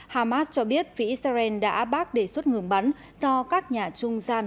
hamas cho biết phía israel đã bác đề xuất ngừng bắn do các nhà trung gian